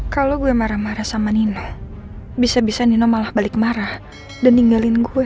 kalau gue marah marah sama nino bisa bisa nino malah balik marah dan ninggalin gue